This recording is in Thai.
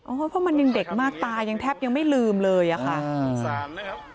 โอ้เพราะมันยังเด็กมากตายังแทบยังไม่ลืมเลยอะค่ะอ่าอันสารนะครับ